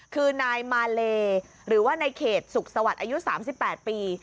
คือนายมาเลหรือว่าในเขตสุขสวัสดิ์อายุ๓๘ปี